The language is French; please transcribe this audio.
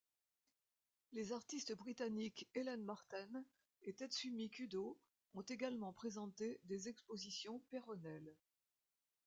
Les artistes britanniques Helen Marten et Tetsumi Kudo ont également présenté des expositions peronnelles.